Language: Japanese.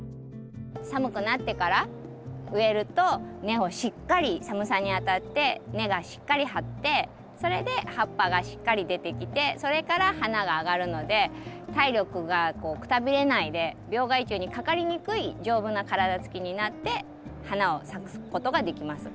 寒くなってから植えると根をしっかり寒さにあたって根がしっかり張ってそれで葉っぱがしっかり出てきてそれから花があがるので体力がくたびれないで病害虫にかかりにくい丈夫な体つきになって花を咲かすことができます。